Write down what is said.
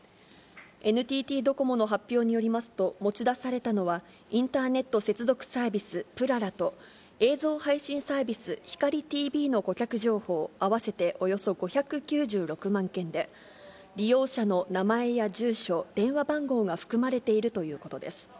ＮＴＴドコモの発表によりますと、持ち出されたのは、インターネット接続サービスぷららと、映像配信サービス、ひかりＴＶの顧客情報合わせておよそ５９６万件で、利用者の名前や住所、電話番号が含まれているということです。